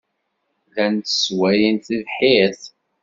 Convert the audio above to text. Llant sswayent tibḥirt.